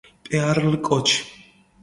პეარლ კოჩ